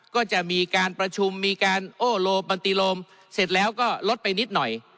ก็จะมีการประชุมมีการโอ้โลปันติโลมเสร็จแล้วก็ลดไปนิดหน่อย